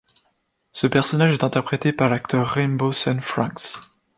Ce personnage est interprété par l'acteur Rainbow Sun Francks.